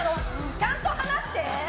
ちゃんと話して。